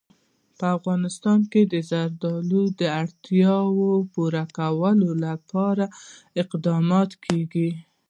په افغانستان کې د زردالو د اړتیاوو پوره کولو لپاره اقدامات کېږي.